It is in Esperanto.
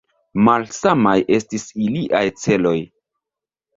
Malsamaj estis iliaj celoj.